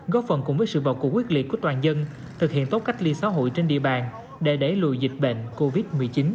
góp phần cùng với sự vào cuộc quyết liệt của toàn dân thực hiện tốt cách ly xã hội trên địa bàn để đẩy lùi dịch bệnh covid một mươi chín